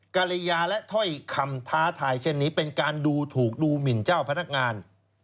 ริยาและถ้อยคำท้าทายเช่นนี้เป็นการดูถูกดูหมินเจ้าพนักงาน